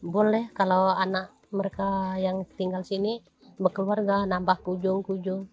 boleh kalau anak mereka yang tinggal di sini keluarga nambah ujung ujung